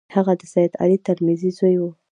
هغه د سید علي ترمذي زوی وو.